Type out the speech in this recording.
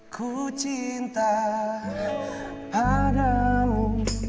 ku cinta padamu